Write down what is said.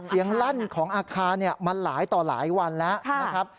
ลั่นของอาคารมันหลายต่อหลายวันแล้วนะครับ